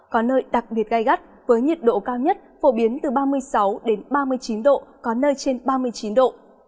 có nơi đặc biệt gai gắt với nhiệt độ cao nhất phổ biến từ ba mươi sáu đến ba mươi chín độ có nơi trên ba mươi chín độ